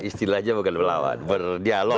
istilahnya bukan melawan berdialog